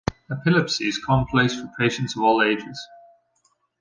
Epilepsy is commonplace for patients of all ages.